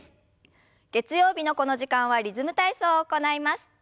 月曜日のこの時間は「リズム体操」を行います。